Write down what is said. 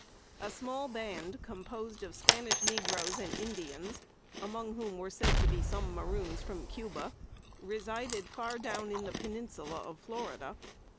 A small band, composed of Spanish negroes and Indians, among whom were said to be some maroons from Cuba, resided far down in the Peninsula of Florida.